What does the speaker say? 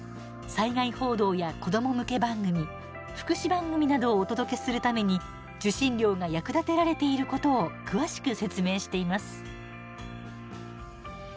災害報道や子ども向け番組福祉番組などをお届けするために受信料が役立てられていることを詳しく説明しています。